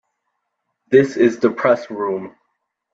This is the Press Room.